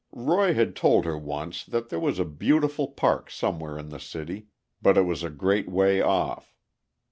Roy had told her once that there was a beautiful park somewhere in the city, but it was a great way off.